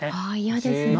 あ嫌ですね。